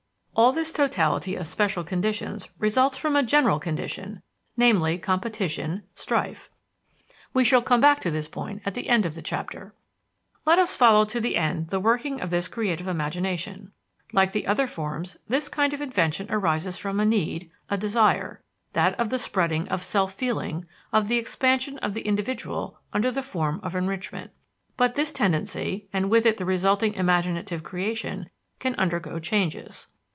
All this totality of special conditions results from a general condition, namely, competition, strife. We shall come back to this point at the end of the chapter. Let us follow to the end the working of this creative imagination. Like the other forms, this kind of invention arises from a need, a desire that of the spreading of "self feeling," of the expansion of the individual under the form of enrichment. But this tendency, and with it the resulting imaginative creation, can undergo changes.